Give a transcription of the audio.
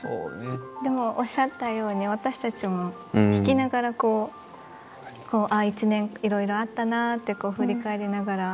おっしゃったように、私たちも弾きながらああ、１年いろいろあったなって振り返りながら。